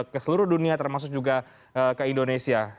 keseluruh dunia termasuk juga ke indonesia